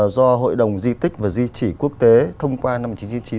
do hội đồng di tích và di chỉ quốc tế thông qua năm một nghìn chín trăm chín mươi